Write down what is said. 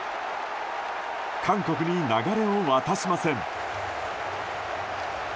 韓国に流れを渡しません。